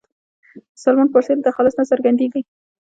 د سلمان فارسي له تخلص نه څرګندېږي.